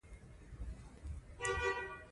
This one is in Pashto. زموږ صادرات زیات نه دي.